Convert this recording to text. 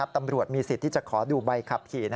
ตำรวจมีสิทธิ์ที่จะขอดูใบขับขี่